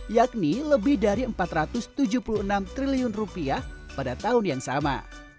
yakni lebih dari empat ratus tujuh puluh enam triliun rupiah pada tahun yang sama